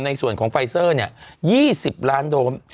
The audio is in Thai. ในส่วนของไฟซอร์นี่๒๐ล้านโดส์